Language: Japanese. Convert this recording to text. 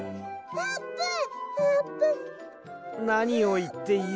「あーぷん！」。